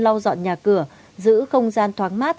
lau dọn nhà cửa giữ không gian thoáng mát